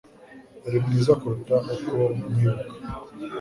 Urimwiza kuruta uko nkwibuka